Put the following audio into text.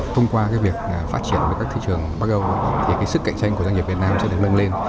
thông qua việc phát triển các thị trường bắt đầu thì sức cạnh tranh của doanh nghiệp việt nam sẽ được nâng lên